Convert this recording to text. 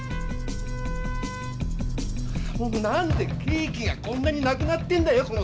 なんでケーキがこんなになくなってんだよ